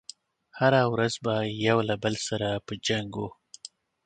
هره ورځ به يو له بل سره په جنګ و.